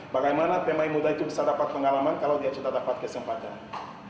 bagaimana pemain muda itu bisa dapat pengalaman kalau dia sudah dapat kesempatan